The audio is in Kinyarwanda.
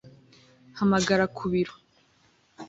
Hamagara ku biro